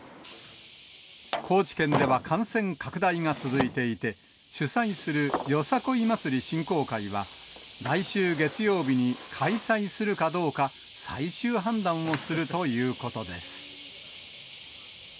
高知県では感染拡大が続いていて、主催するよさこい祭振興会は、来週月曜日に開催するかどうか、最終判断をするということです。